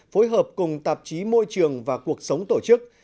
phối hợp cùng tạp chí môi trường và cuộc sống tổ chức